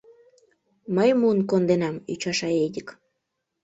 — Мый муын конденам! — ӱчаша Эдик.